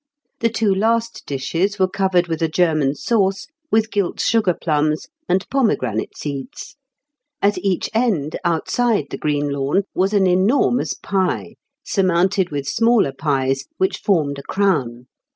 The two last dishes were covered with a German sauce, with gilt sugar plums, and pomegranate seeds.... At each end, outside the green lawn, was an enormous pie, surmounted with smaller pies, which formed a crown.